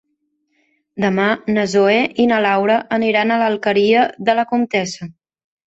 Demà na Zoè i na Laura aniran a l'Alqueria de la Comtessa.